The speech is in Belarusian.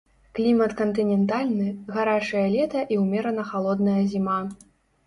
Клімат кантынентальны, гарачае лета і ўмерана халодная зіма.